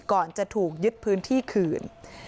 ก่อนจะถูกยึดพื้นที่คืน